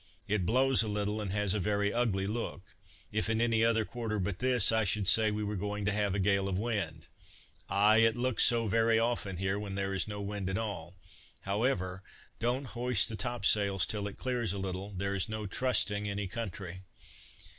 "It blows a little, and has a very ugly look: if in any other quarter but this, I should say we were going to have a gale of wind." "Ay, it looks so very often here when there is no wind at all; however, don't hoist the top sails till it clears a little, there is no trusting any country."